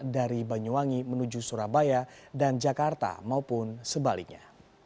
dari banyuwangi menuju surabaya dan jakarta maupun sebaliknya